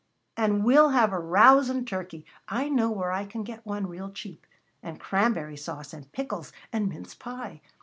"And we'll have a rousin' turkey, I know where I can get one real cheap, and cranberry sauce, and pickles, and mince pie.